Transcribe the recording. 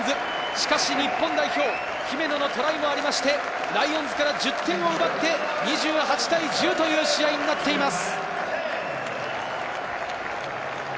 しかし日本代表、姫野のトライもありましてライオンズから１０点を奪って２８対１０という試合になっています。